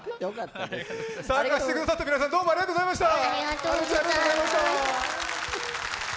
参加してくださった皆さん、どうもありがとうございました。